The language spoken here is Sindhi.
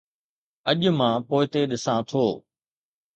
اڄ مان پوئتي ڏسان ٿو.